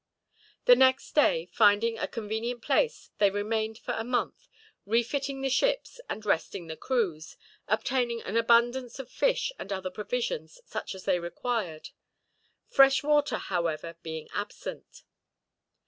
The next day, finding a convenient place, they remained for a month; refitting the ships and resting the crews, obtaining an abundance of fish and other provisions such as they required; fresh water, however, being absent.